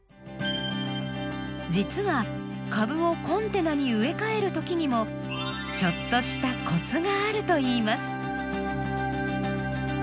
実は株をコンテナに植え替えるときにもちょっとしたコツがあるといいます。